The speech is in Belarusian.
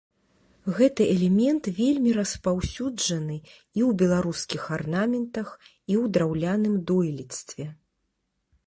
Гэты элемент вельмі распаўсюджаны і ў беларускіх арнаментах, і ў драўляным дойлідстве.